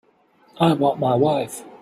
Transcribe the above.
I want my wife.